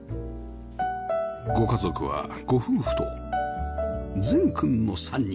ご家族はご夫婦と禅くんの３人